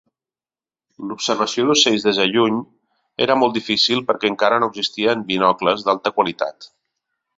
L'observació d'ocells des de lluny era molt difícil perquè encara no existien binocles d'alta qualitat.